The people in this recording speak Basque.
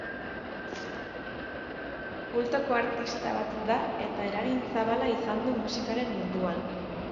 Kultoko artista bat da eta eragin zabala izan du musikaren munduan.